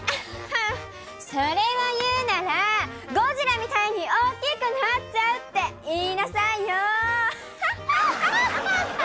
それを言うなら、ゴジラみたいに大きくなっちゃうって言いなさいよ。